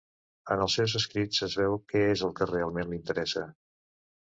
En els seus escrits es veu que és el que realment li interessa.